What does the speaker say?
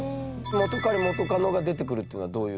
元カレ元カノが出てくるというのはどういう？